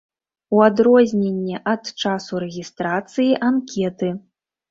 У адрозненне ад часу рэгістрацыі анкеты.